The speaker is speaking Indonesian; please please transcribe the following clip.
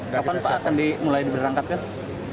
kapan pak akan dimulai berangkat kan